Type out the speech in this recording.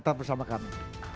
tetap bersama kami